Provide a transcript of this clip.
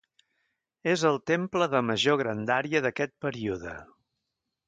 És el temple de major grandària d'aquest període.